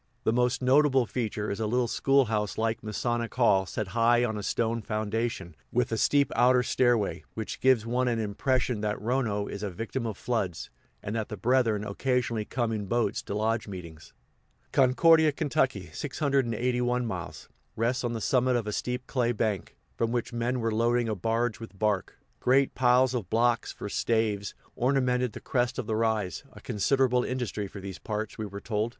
The most notable feature is a little school house like Masonic hall set high on a stone foundation, with a steep outer stairway which gives one an impression that Rono is a victim of floods, and that the brethren occasionally come in boats to lodge meetings. Concordia, Ky. (681 miles), rests on the summit of a steep clay bank, from which men were loading a barge with bark. Great piles of blocks, for staves, ornamented the crest of the rise a considerable industry for these parts, we were told.